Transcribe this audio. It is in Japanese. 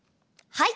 はい。